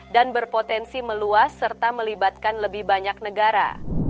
dan berpotensi meluas serta melibatkan lebih banyak negara